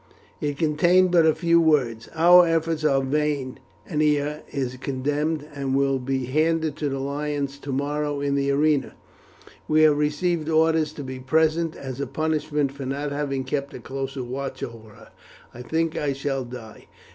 It contained but a few words: "Our efforts are vain; Ennia is condemned, and will be handed to the lions tomorrow in the arena. We have received orders to be present, as a punishment for not having kept a closer watch over her. I think I shall die."